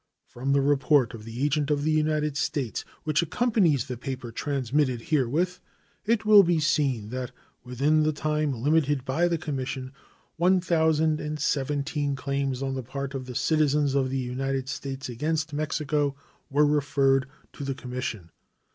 From the report of the agent of the United States, which accompanies the papers transmitted herewith, it will be seen that within the time limited by the commission 1,017 claims on the part of citizens of the United States against Mexico were referred to the commission.